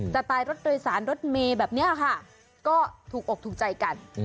สไตล์รถโดยสารรถเมย์แบบนี้ค่ะก็ถูกอกถูกใจกัน